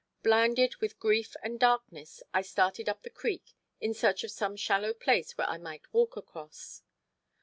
Blinded with grief and darkness I started up the creek in search of some shallow place where I might walk across.